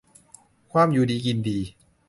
ความอยู่ดีกินดี